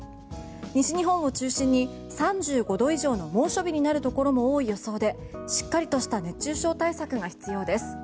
西日本を中心に３５度以上の猛暑日になるところも多い予想でしっかりとした熱中症対策が必要です。